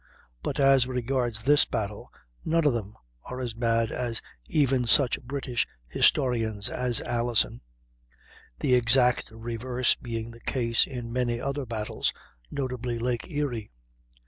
But as regards this battle, none of them are as bad as even such British historians as Alison; the exact reverse being the case in many other battles, notably Lake Erie.